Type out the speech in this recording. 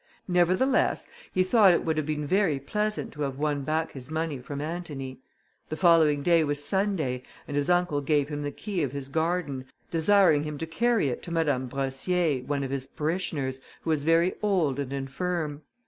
Nevertheless, he thought it would have been very pleasant to have won back his money from Antony. The following day was Sunday, and his uncle gave him the key of his garden, desiring him to carry it to Madame Brossier, one of his parishioners, who was very old and infirm.